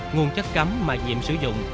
nguồn chất cấm mà nhiệm sử dụng